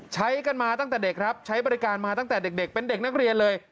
ใช้กันมาตั้งแต่เด็กครับใช้บริการมาตั้งแต่เด็กเป็นเด็กนักเรียนเลย